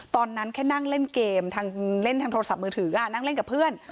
ตอนนั้นแค่นั่งเล่นเกมเล่นทางโทรศัพท์มือถือนั่งเล่นกับเพื่อน